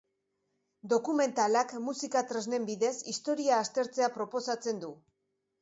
Dokumentalak musika tresnen bidez historia aztertzea proposatzen du.